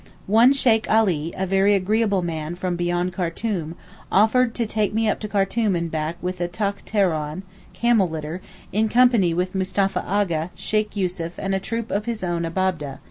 One Sheykh Alee—a very agreeable man from beyond Khartoom, offers to take me up to Khartoom and back with a Takhterawan (camel litter) in company with Mustapha A'gha, Sheykh Yussuf and a troop of his own Abab'deh.